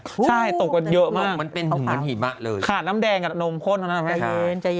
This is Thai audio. ใช่ตกเยอะมากมันเป็นเหมือนเหมือนหิมะเลยขาดน้ำแดงกับนมข้นใจเย็น